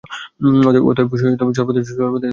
অতএব সর্বদাই উহার অস্তিত্ব ছিল।